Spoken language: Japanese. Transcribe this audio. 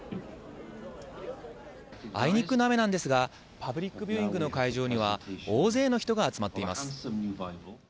あいにくの雨なんですが、パブリックビューイングの会場には、大勢の人が集まっています。